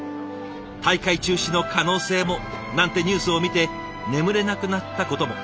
「大会中止の可能性も」なんてニュースを見て眠れなくなったことも。